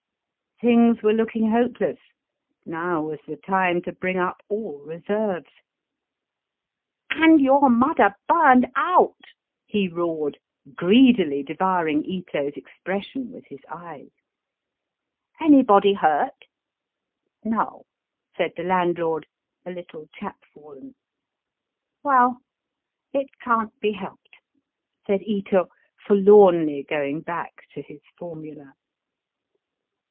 Things were looking hopeless. Now was the time to bring up all reserves. Digitized by VjOOQIC 288 EAST BY WEST. ^* And yonr mudder burned out !" he roared, greedily devouring Ito's expression with his eyes. '' Anybody hurt ?"^^ No," said the landlord, a little chap fallen. *^Well, it can't be helped," said Ito, forlornly going back to his formula.